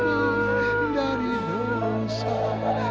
ibu yang salah